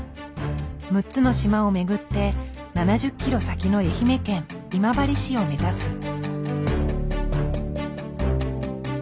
６つの島を巡って７０キロ先の愛媛県今治市を目指す。